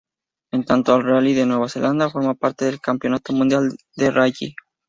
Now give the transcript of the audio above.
En tanto, el Rally de Nueva Zelanda forma parte del Campeonato Mundial de Rally.